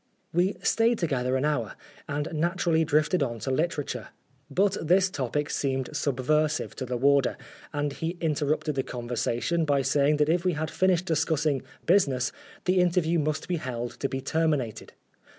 We stayed together an hour, and naturally drifted on to literature, but this topic seemed subversive 203 Oscar Wilde to the warder, and he interrupted the conversation by saying that if we had finished discussing " business/' the interview must be held to be terminated.